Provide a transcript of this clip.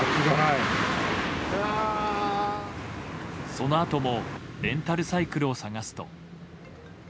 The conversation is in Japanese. そのあともレンタルサイクルを探すと。